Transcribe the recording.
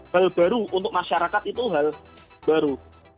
hal baru untuk masyarakat itu hal baru